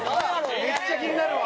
めっちゃ気になるわ。